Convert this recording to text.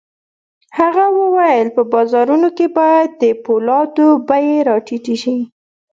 هغه وویل په بازارونو کې باید د پولادو بيې را ټیټې شي